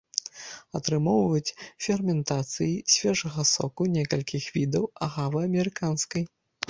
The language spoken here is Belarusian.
Атрымоўваюць ферментацыяй свежага соку некалькіх відаў агавы амерыканскай.